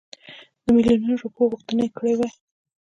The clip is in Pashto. د میلیونونو روپیو غوښتنه کړې وای.